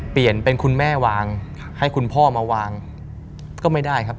เปลี่ยนเป็นคุณแม่วางให้คุณพ่อมาวางก็ไม่ได้ครับ